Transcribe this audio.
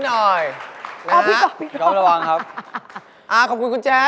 ได้ลูกสาวทุกคนบนโลกไปดี